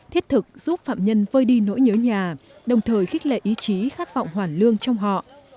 thiết thực giúp phạm nhân vơi đi nỗi nhớ nhà đồng thời khích lệ ý chí khát vọng hoàn lương trong họ